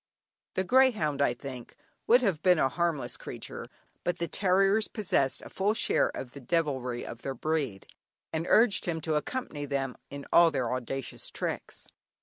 The greyhound, I think, would have been a harmless creature, but the terriers possessed a full share of the devilry of their breed, and urged him to accompany them in all their audacious tricks.